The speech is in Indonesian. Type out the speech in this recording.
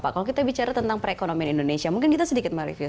pak kalau kita bicara tentang perekonomian indonesia mungkin kita sedikit mereview